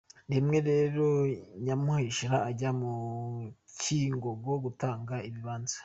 Rimwe rero Nyamuheshera ajya mu Cyingogo gutanga ibibanza.